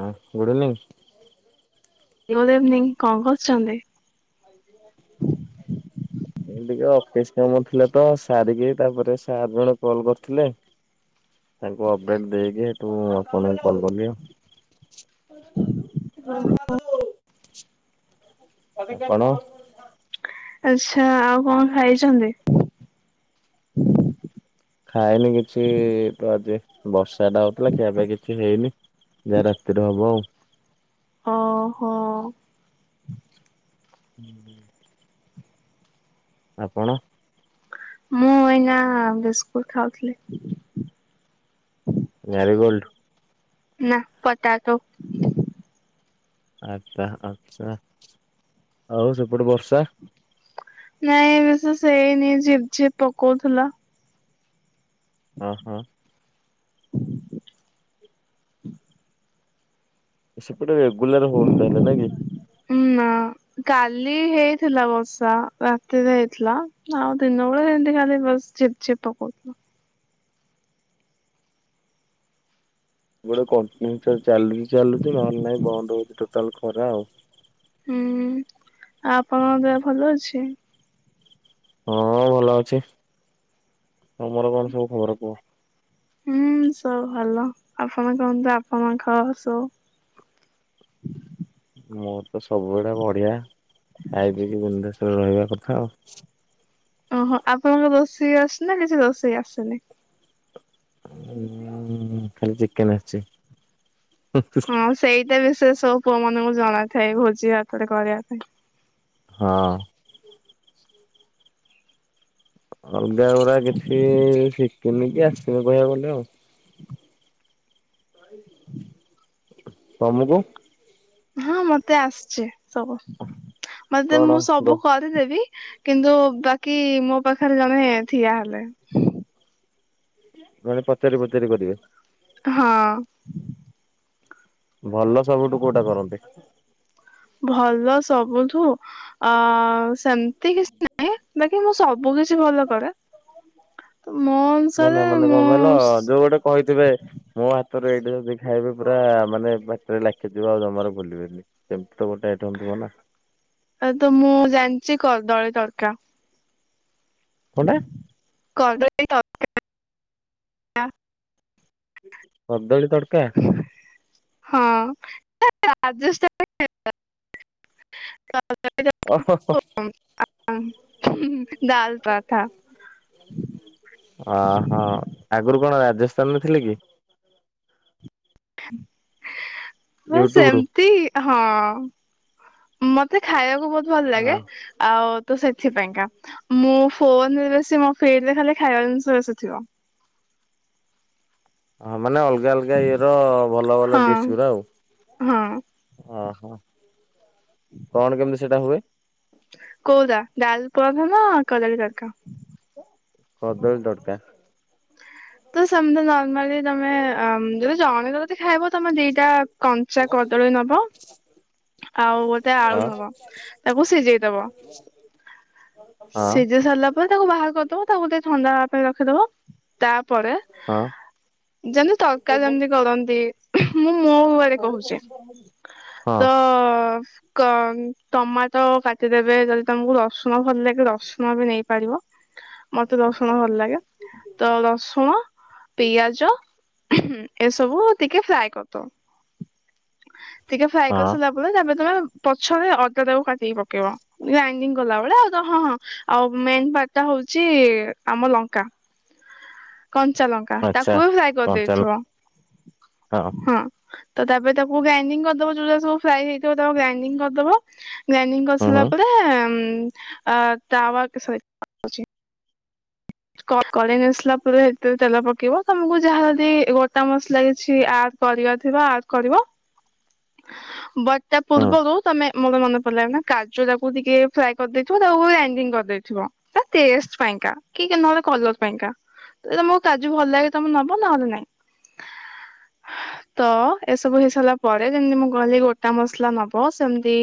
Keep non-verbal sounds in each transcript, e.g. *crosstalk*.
ହ good evening. Good evening କଣକରୁଛନ୍ତି। ଏଇ ଟିକେ ଅଫିସ୍ କାମ ଥିଲା ତ ସାରିକି ତାପରେ ସାର ଜଣେ କଲ୍ କରିଥିଲେ। ତାଙ୍କୁ ଅପଡେଟ ଦେଇକି ଏଠୁ ଆପଣ କଲ୍ କଲି ଆଉ। ଓ ହୋ। କଣ। ଆଛା ଆଉ କଣ ଖାଇଛନ୍ତି। ଖାଇନି କିଛି ପ୍ରଜେ ବର୍ଷା ଟା ହଉଥିଲା ଖିଆ ପିଆ କିଛି ହେଇନି ଯାହା ରାତିରେ ହବ ଆଉ। ଅ ହଁ। ହୁଁ ହୁଁ। ଆପଣ। ମୁଁ ଏଇନା ବିସ୍କୁଟ ଖାଉଥିଲି। Marie Gold. ନା ପଟାଟୋ। ଆଛା ଆଛା ଆଉ ସେପଟେ ବର୍ଷା। ନାଇଁ ବିଶେଷ ହେଇନି ଝିପ୍ ଝିପ୍ ପକୋଉଥିଲା। ଅ ହଁ। ସେ ସେପଟ ରେଗୁଲାର ହଉନି ତାଲେ ନାଇଁ କି। ନା କାଲି ହେଇଥିଲା ବର୍ଷା ରାତିରେ ହେଇଥିଲା ଆଉ ଦିନ ବେଳେ ସେମତି ଖାଲି ବସ ଝିପ ଝିପ ପକୋଉ ଥିଲା। ଗୋଟେ କଣ୍ଟିନ୍ୟୁ ଚାଲିଚି ଚାଲୁଛି ନହେଲେ ନାହିଁ ବନ୍ଦ ହଉଛି ଟୋଟାଲ ଖରା ଆଉ। ହୁଁ ଆ ଆପଣଙ୍କ ଦେହ ଭଲ ଅଛି। ହଁ ଭଲ ଅଛି ତମର କଣ ସବୁ ଖବର କୁହ। ହୁଁ ସବୁ ଭଲ ଆପଣ କୁହନ୍ତୁ ଆପଣଙ୍କ ଖବର ସବୁ। *unintelligible* ମୋର ତ ସବୁବେଳେ ବଢିଆ ଖାଇ ପିଇକି ବିନ୍ଦାସ ରେ ରହିବା କଥା ଆଉ। ଓହୋ ଆପଣଙ୍କୁ ରୋଷେଇ ଆସେ ନା କିଛି ରୋଷେଇ ଆସେନି। ଉଁ ଖାଲି ଚିକେନ ଆସିଛି। ହଁ ସେଇଟା ବିସେସ ସବୁ ପୁଅ ମାନଙ୍କୁ ଜଣା ଥାଏ ଭୋଜି ଭାତରେ କରିବା ପାଇଁ। ହଁ। ଅଲଗା ଗୁଡା କିଛି ଶିଖିନି କି ଆସିବି କହିବାକୁ ଗଲେ ଆଉ। *unintelligible* ତମୁକୁ। ହଁ ମତେ ଆସିଚି ସବୁ ମତେ କଣ ମୁଁ ଗ ସବୁ କରିଦେବି। କିନ୍ତୁ ବାକି ମୋ ପାଖରେ ଜଣେ ଠିଆ ହେଲେ। ମାନେ ପଚାରି ପଚାରି କରିବେ। ହଁ। ଭଲ ସବୁଠୁ କୋଉଟା କରନ୍ତି। ଭଲ ସବୁଠୁ ଅ ସେମିତି କିଛି ନହିଁ ବାକି ମୁଁ ସବୁ। ସବୁ କିଛି ଭଲ କରେ। ତ ମୋ ନ ନା ଅନୁସାରେ ମାନେ କଣ ମୁଁ କହିଲ ଯୋଉ ଗୋଟେ କହିଥିବେ ମୋ ଏଇଟ ଯଦି ଖାଇବେ ପୁରା ମାନେ ପାଟିରେ ଲାଖିଯିବ ଆଉ ଜମାରୁ ଭୁଲିବେନି ଏମିତି ତ ଗୋଟେ ଆଇଟମ ଥିବ। କଣ ନା। ଆ ତ ମୁଁ ଜାଣିଛି କଦଳୀ ତଡକା। କଣଟା କଦଳୀ *inaudible* କଦଳୀ ତଡକା। ହଁ ଏଇଟା ରାଜସ୍ଥାନୀ ଖାଇବା। ଓହୋ। ହୁଁ *inaudible* ଅହଁ ଆଗରୁ କଣ ରା ରାଜସ୍ଥାନରେ ଥିଲେ କି? *unintelligible* ବାସ ୟୁଟ୍ୟୁବରୁ? ଏମତି ହଁ। ମୋତେ ଖାଇବାକୁ ବହୁତ୍ ଭଲ ଲାଗେ ଅ ଆଉ ତ ସେଥିପାଇଁକା ମୁଁ ଫୋନରେ ସେ ମୋ ଫିଡ ରେ ଖାଲି ଖାଇବା ଜିନିଷ ଆସୁଥିବ। *unintelligible* ହଁ ମାନେ ଅଲଗା ଅଲଗା ଇଏର ଭଲ ଭଲ ଡିସ୍ ହଁ ଗୁରା ଆଉ। ହଁ ଓହୋ କଣ କେମିତି ସେଇଟା ହୁଏ? କଉରା ଡାଲ ପରଠା ନା କଦଳୀ ତଡକା? କଦଳୀ ତଡକା। ତ ସେମିତି ନର୍ମାଲି ତମେ ଅ ଯଦି ଜଣେ ଯଦି ଖାଇବ ତମେ ଦିଟା କଞ୍ଚା କଦଳୀ ନବ। ଆଉ ଗୋଟେ ଆଳୁ ହଁ ନବ ତାକୁ ସିଝେଇଦବ। ହଁ ସିଝି ସାରିଲା ପରେ ତାକୁ ବାହାର କରିଦବ ତାକୁ ଟେ ଥଣ୍ଡା ହେବା ପାଇଁ ରଖିଦବ ତା ପରେ ହଁ ଯେମିତି ତରକାର ଯେମିତି କରନ୍ତି ମୁଁ ମୋ ୱେ ରେ କହୁଛି। ହଁ ଦ- କ ଟମାଟୋ କାଟିଦେବେ ଯଦି ତମକୁ ରସୁଣ ଭଲ ଲାଗେ ରସୁଣ ବି ନେଇ ପାରିବ। ମତେ ରସୁଣ ଭଲ ଲାଗେ ତ ରସୁଣ ପିଆଜ ଏସବୁ ଟିକେ ଫ୍ରାଏ କରଦବ। ଟିକେ ଫ୍ରାଏ ହଁ କରିସିଲ ପରେ ତାପରେ ତମେ ପଛରେ ଅଦା ଟାକୁ କାଟିକି ପକେଇବ। ଗ୍ରାଇଣ୍ଡିଙ୍ଗ କଲାବେଳେ ଅଦା ହଁ, ହଁ, ଆଉ ମେନ୍ ପାର୍ଟଟା ହଉଛି, ଆମ ଲଙ୍କା କଞ୍ଚା ଲଙ୍କା ଆଚ୍ଛା। ତାକୁ ବି ଫ୍ରାଏ କଞ୍ଚା କରିଦେଇଥିବ। ଲଙ୍କା ହଁ। ତ ତାପରେ ତାକୁ ଗ୍ରାଇଣ୍ଡିଙ୍ଗ କରିଦବ। ଯୋଉଟା ସବୁ ଫ୍ରାଇ ହେଇଥିବ ତାକୁ ଗ୍ରାଇଣ୍ଡିଙ୍ଗ କରିଦବ। ଗ୍ରାଇଣ୍ଡିଙ୍ଗ ହୁଁ କରିସାରିଲା ହୁଁ ପରେ, ଏ ତାୱା ଏ ସରି ତାୱା କହୁଚି। କ କରେଣ୍ଟ ଆସିଲା ପରେ ସେଥିରେ ତେଲ ପକେଇବ ତମକୁ ଯାହା ଯଦି ଗୋଟା ମସଲା ଲାଗିଛି ଆ କରାରିବା ଥିବା ଆର କରିବା। ବଟ ତା ହୁଁ ପୂର୍ବରୁ ତମେ ମୋତ ମନେ ପଡିଲ ନା, କାଜୁ ତାକୁ ଟିକେ ଫ୍ରାଏ କରିଦେଇଥିବ ତାକୁ ଗ୍ରାଇଣ୍ଡି କରିଦେଇଥିବ। ଟେଷ୍ଟ ପାଇଁକା। କି କି ନହେଲେ କଲର ପାଇଁକା। ତମକୁ କାଜୁ ଭଲ ଲାଗେ ତମେ ନବ ନହେଲେ ନାଇଁ। *unintelligible* ତ ଏସବୁ ହେଇ ସାରିଲା ପରେ ଯେମତି ମୁଁ କହିଲି ଗୋଟା ମସଲା ନବ ସେମିତି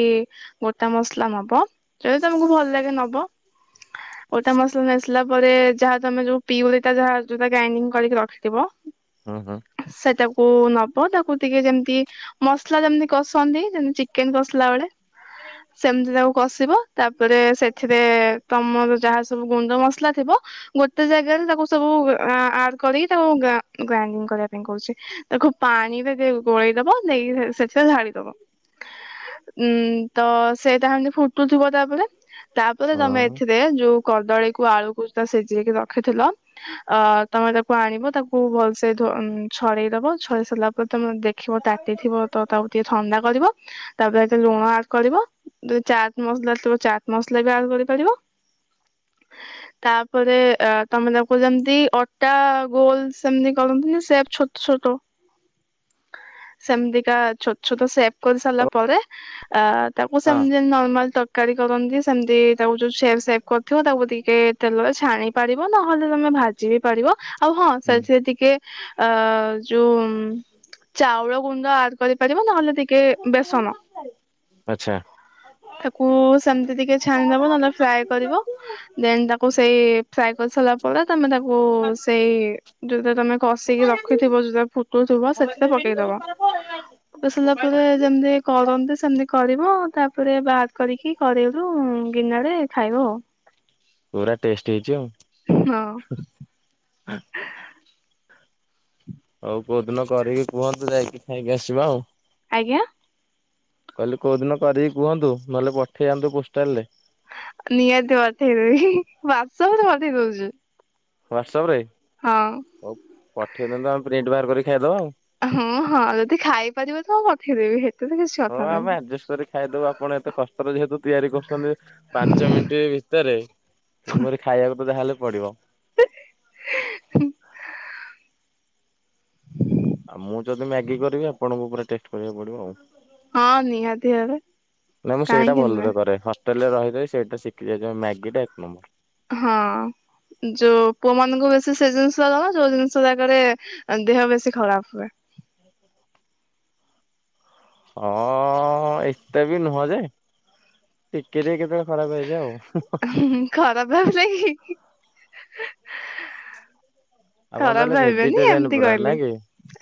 ଗୋଟା ମ ମସଲା ନବ ଯଦି ତମକୁ ଭଲ ଲାଗେ ନବ ଗୋଟା ମସଲା ନେଇ ହେଲା ପରେ ଯାହା ତମେ ଯୋଉ ପିଉରିଟା ଯାହା‌ ଯଉଟା ଗାଇନିଙ୍ଗ କରିକି ରଖିଥିବ। ହୁଁ, ହୁଁ। କ ନବ ତାକୁ ଟିକେ ଯେମିତି ମସଲା ଯେମିତି କସନ୍ତି, ଯେମତି ଚିକେନ କଷିଲା ବେଳେ ସେମିତି ତାକୁ କଷିବ ତାପରେ ସେଥିରେ ତମର ଯାହା ସବୁ ଗୁଣ୍ଡ ମସ ଥିବ ଗୋଟେ ଜାଗାରେ ତାକୁ ସବୁ ଆ କରିକି ତାକୁ ଗ୍ରାଇଣ୍ଡିଙ୍ଗ କରିବା ପାଇଁ କରୁଛି। ତାକୁ ପାଣିରେ ଗୋଳେଇ ଦବ, ନେଇକି ସେଥିରେ ଢାଡିଦବ। ଉଁ, ତ ସେଇଟା ହେମତି ଫୁଟୁଥିବ ତାପରେ। ତାପରେ ତମେ ହୁଁ। ଏଥିରେ ଯୋଉ କଦଳୀକୁ ଆଳୁ ସିଝେଇକି ରଖିଥିଲ, ଅ ତମେ ତାକୁ ଆଣିବ ତାକୁ ଭଲସେ ଛଡେଇ ଦବ। ଛରି ସାରିଲା ପରେ ତମେ ଦେଖିବ ତାଟିଥିବ ତ ତାକୁ ଟିକେ ଥଣ୍ଡା କରିବ ତାପରେ ଏତ ଲୁଣ ଆଡ କରିବ। ତେ ଚାଟ ମସଲା ଥିବା, ଚାଟ ମସଲା ବି ଆଡ କରିପାରିବ। ତାପରେ ତମେ ତାକୁ ଯେମିତି ଅଟା ଗୋଲ ସେମତି କରନ୍ତି ସେପ ଛୋଟ ଛୋଟ। ସେମିତିକା ଛୋଟ, ଛୋଟ ସେଭ କରି ସାରିଲା ପରେ ଆ ତାକୁ ହଁ ସେମତି ଯେମିତି ନର୍ମାଲ ତରକାରୀ କରନ୍ତି ସେମତି ତାକୁ ଯୋଉ ସେଫ ସେଫ କରିଥିବ ତାକୁ ଟିକେ ତେଲରେ ଛାଣି ପାରିବ, ନହେଲେ ତମେ ଭାଜି ବି ପାରିବ ଆଉ ହଁ, ସେଥିରେ ଟିକେ ଅ ଯୋଉ ଚାଉଳ ଗୁଣ୍ଡ ଆଡ କରିପାରିବ ନହେଲେ ଟିକେ ବେସନ। ଆଚ୍ଛା। ତାକୁ ସେମତି ଟିକେ ଛାଣିଦବ ନହେଲେ ଫ୍ରାଏ କରିବ ଦେନ ତାକୁ କୁ ସେଇ ଫ୍ରାଏ କରସାରିଲା ପରେ ତମେ ତାକୁ ସେଇ ଯଉଟା ତମେ କଷିକି ରଖିଥିବ ଯ ତାକୁ ମୋବାଇଲ୍ ଦେବିନି *unintelligible* ବସାରିଲା ପରେ ଯେମିତି କରନ୍ତି ସେମିତି କରିବ। ତାପରେ ବାଦ କରିକି କରାଇରୁ ହୁଁ ଗିନାରେ ଖାଇବ ଆଉ। ପୁରା ଟେଷ୍ଟ ହେଇଛି ଆଉ। ହଁ। *unintelligible* ହଉ କୋଉଦିନ କରିକି କୁହନ୍ତୁ, ଯାଇକି ଖାଇକି ଆସିବା ଆଉ। ଆଜ୍ଞା। କହିଲି କୋଉ ଦିନ କରିକି କୁହନ୍ତୁ ନହେଲେ ପଠେଇ ଆନ୍ତୁ ପୋଷ୍ଟାଲ ରେ। *unintelligible* ଅଧି କଉଚୁ ହ୍ୱଟସଆପ ରେ, ହଉ ପଠେଇ ଦିଅନ୍ତୁ ଆମେ ପ୍ରିଣ୍ଟ ବାହାର କରି ଖାଇଦେବା ଆଉ। ହଁ, ହଁ ଯଦି ଖାଇପାରିବ ତ ମୁଁ ପଠେଇଦେବି ହେ। ହଁ ଆମେ ଆଡଜଷ୍ଟ କରି ଖାଇଦବୁ, ଆପଣ ଏତେ କଷ୍ଟରେ ଯେହେତୁ ତିଆରି କରୁଛନ୍ତି। ପାଞ୍ଚ ମିନିଟ ଭିତରେମୋର ଖାଇବାକୁ ତ ଯହାହେଲେ ପଡିବ। ହ *inaudible* ଆଉ ମୁଁ ଯଦି ମ୍ୟାଗି କରିବି ଆପଣଙ୍କୁ ପୁରା ଟେଷ୍ଟ କରିବାକୁ ପଡିବ ଆଉ ହଁ ନିହାତି ଭାବେ ନାଇ ମୁଁ ସେଇଟା କାହିଁକି ଭଲରେ ନୁହେଁ କରେ ହଷ୍ଟେଲ ରେ ରହି ରହି ସେଇଟା ଭଲରେ ଶିଖ ହଁ ଯୋଉ ପୁଅ ମାନଙ୍କୁ ବେଶୀ ସେ ଯୋଉ ଯୋଉ ଜିନିଷ ଜାଗାରେ ଦେହ ବେଶୀ ଖରାପ ହୁଏ। ହଁ ଅ ଏତେ ବି ନୁହଁ ଯେ ଟିକେ ଟି କେତେବେ ଖରାପ ହେଇଯା ଆଉ ହୁ ହୁ ହୁଁ ଖରାପ ଭାବିଲେ କି ଆପଣ ଖରାପ ତାହେଲେ ଭାବିବେନି ଭେଜିଟେରିଆନ ଏମିତି ପୁରା କହିଲେ ନାଇ କି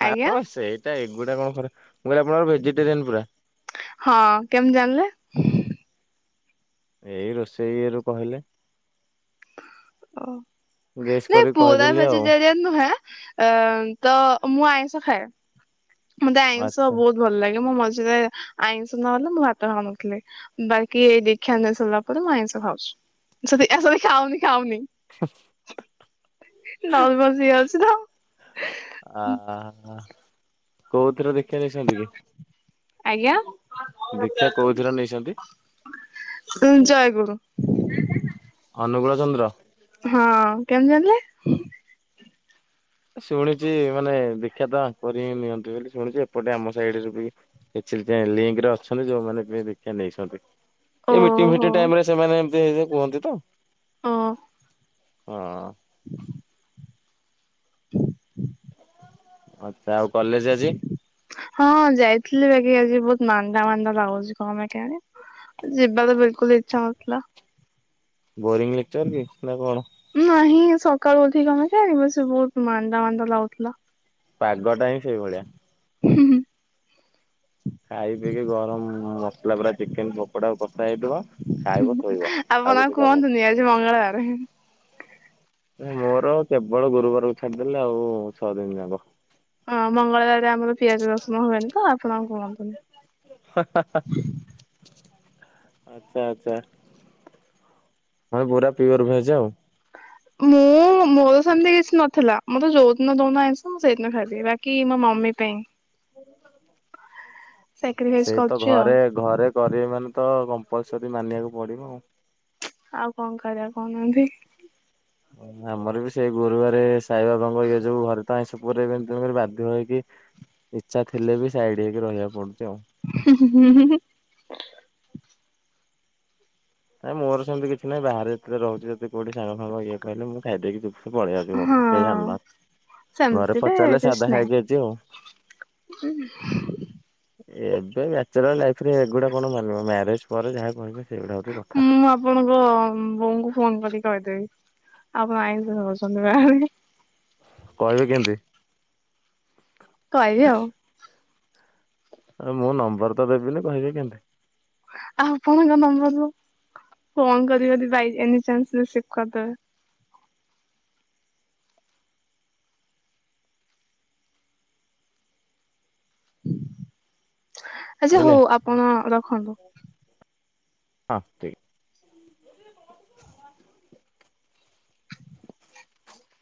ନା ଆଜ୍ଞା ତ ସେଇଟା ଏଗୁଡ଼ା କଣ ଖରା ମୁଁ କହିଲି ଆପଣ ଭେଜିଟେରିଆନ୍ ପୁରା ହଁ କେମିତି ଜାଣିଲେ ଏଇ ରୋଷେଇଏରୁ କହିଲେ ଓ ଗେସ୍ ନାଇଁ କରିକି ପୁରା କହିଦେଲି ଆଉ ଭେଜିଟେରିଆନ ନୁହେ ଅ ତ ମୁଁ ଆଇସ ଖାଏ। ମତେ ଆଇଁଷ ଆଚ୍ଛା ବହୁତ ଭଲ ଲାଗେ ମୋ ମଝିରେ ଆଇଁଷ ନହେଲେ ମୁଁ ଭାତ ଖାଉ ନଥିଲି ବାକି ଏଇ ଦୀକ୍ଷା ନେଇ ସାରିବା ପରେ ମୁଁ ଆଈଁ *unintelligible* ସି ଖାଉନି ଖାଉନି ହୁ ନଳ ବସ ଇ ଅଛି ତ କୋଉଥିରେ ଦେଖିବା ଯାଇଛନ୍ତି କି ଆଜ୍ଞା ଉ ଦୀକ୍ଷା କୋଉଥିର ନେଇଛନ୍ତି? ଜୟ ଗୁରୁ *unintelligible* ଅନୁଗୁଳ ଚନ୍ଦ୍ର ହଁ କେମିତି ଜାଣିଲେ ଶୁଣିଛି ମାନେ ଦୀକ୍ଷାତ ଆଙ୍କରି ହିଁ ନିଅନ୍ତି ବୋଲି ଶୁଣିଛି ଏପଟେ ଆମ ସାଇଡ ରେ ବି ସେଇଥି ପାଇ ଲିଙ୍କ ରେ ଅଛନ୍ତି ଯୋଉମାନେ ଦେ ଦୀକ୍ଷା ନେଇଛନ୍ତି। ଏଇ ମିଟିଂ ଓହୋ। ଫିଟି ଟାଇମ ରେ ସେମାନେ ଏମିତିଇ କୁହନ୍ତି ତ ହ ହଁ *inaudible* ଆଚଛା ଆଉ କଲେଜ ଆଜି ହଁ ଯାଇଥିଲି ବାକି ଆଜି ବହୁତ ମାନ୍ଦା ମାନ୍ଦା ଲାଗୁଛି ତମେ କେଣେ ଯିବା ତ ବିଲକୁଲ ଇଚ୍ଛା ନଥିଲା ବୋରିଂ ଲେକ୍ଚର ନି କି ନା କଣ ନାହିଁ ସକାଳୁ ଉଧିକି ଆମେ କଣ ସେ ବହୁତ ମାନ୍ଦା ମାନ୍ଦା ଲାଗୁଥିଲା। ପାଗ ଟା ହିଁ ସେଇ ଭଳିଆ। ହୁଁ ହୁଁ। ଖାଇଦେଇକି ଗରମ ମସଲା ପୁରା ଚିକେନ ପକୋଡା କଷା ହେଇଥିବ ଖାଇବ ଶୋଇବ, ଆଉ କ କିଛି କାମ କୁହନ୍ତୁନି ଆଜି ମଙ୍ଗଳବାରେ। ନାଇ ମୋର କେବଳ ଗୁରୁବାରକୁ ଛାଡିଦେଲେ ଆଉ ଛଅ ଦିନ ଯାକ। ହଁ ମଙ୍ଗଳବାରରେ ଆମର ପିଆଜ ରସୁଣ ହୁଏନି ତ ଆପଣ ଆଉ କୁହନ୍ତୁନି। ହା ହା। ଆଛା ଆଛା ହଁ ପୁରା ପିଓର ଭେଜ ଆଉ। ମୁଁ ମୋର ସେମିତି କିଛି ନଥିଲା। ମୋର ଯୋଉ ଦିନ ଦଉନ ଆଇଁଷ ମୁଁ ସେଇଦିନ ଖାଇବି। ବାକି ମମି ପାଇଁ, ସାକ୍ରିଫାଇସ୍ ସେଇ ତ କରୁଛି ଆଉ ଘରେ ଘରେ କରିବେ ମାନେ ତ ବୟସ ବି ମାନିବାକୁ ପଡିବ ଆଉ। ଆଉ କଣ କରିବା କହୁନାହାନ୍ତି? ଆମର ବି ସେଇ ଗୁରୁବାରେ ସାଇବାବାଙ୍କ ଇଏ ଯୋଉ ଘରେ ତ ଆଇଁଷ ପୁରେଇବେନି ତେଣୁ କରି ବାଧ୍ୟ ହେଇକି ଇଚ୍ଛା ଥିଲେ ବି ସାଇଡ ହେଇକି ରହିବା ପଡୁଛି ଆଉ। ହୁ ହୁଁ ହୁଁ ହୁଁ। ନାଇ ମୋର ସେମିତି କିଛି ନାହିଁ ବାହାରେ ଯେତେବେଳେ ରହୁଛି ଯଦି କୋଉଠି ସାଙ୍ଗ ଫାଙ୍ଗ ଇଏ କହିଲେ ମୁଁ ଖାଇଦେଇକି ଚୁ ମୁଁ ପଳେଇ ଆସେ ଘରକୁ କେହି ହଁ ଯାଣ ଘରେ ସେମିତିରେ ପଚାରିଲେ କିଛି ସାଧା ନାହିଁ ଖାଇକି ଆଇଚି ଆଉ। ଏବେ ବ୍ୟାଚଲର ଲାଇଫ୍। ଏଥିରେ ଏଗୁଡା କଣ ମାନିବ ମ୍ୟାରେଜ ପରେ ଯାହା କହିବେ ସେଗୁଡା ମୁଁ ଆପଣଙ୍କ ବୋଉଙ୍କୁ ଫୋନ କରିିକି କହି ଆପଣ ଆଇ *unintelligible* ବାହାରେ, କହିବେ କେମିତି? କହିବି ଆଉ। ଉ ମୁଁ ନମ୍ବର ତ ଦେବିନି କହିବି କେମତି? ଆପଣଙ୍କ ନମ୍ବରରୁ ଫୋନ କରିବି ଯଦି ବାଇ ଏନି ଚାନ୍ସ ରେ ରିସିଭ କରିଦେବେ। ଆଚ୍ଛା ବୁଝିଲେ ହଉ ଆପଣ ରଖନ୍ତୁ। ହ ଠିକ